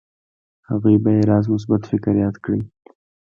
هغوی به يې راز مثبت فکر ياد کړي.